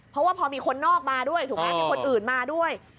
เพราะว่าพอมีคนนอกมาด้วยถูกไหมมีคนอื่นมาด้วย